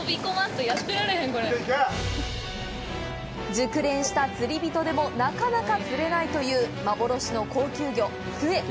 熟練した釣り人でもなかなか釣れないという幻の高級魚クエ。